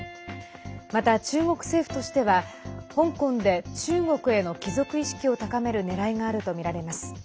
また、中国政府としては香港で中国への帰属意識を高めるねらいがあるとみられます。